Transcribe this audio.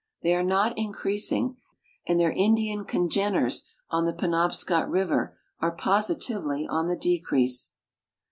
They are not increasing, and their Indian congeners on the Penobscot river are positivel}^ on the decrease.